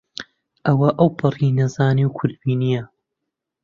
ئەوە ئەوپەڕی نەزانی و کورتبینییە